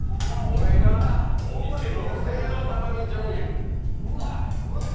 これがお店特製のたまりじょうゆ。